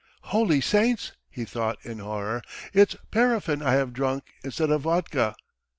"Holy saints," he thought in horror, "it's paraffin I have drunk instead of vodka."